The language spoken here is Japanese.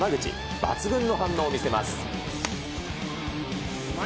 抜群の反応を見せます。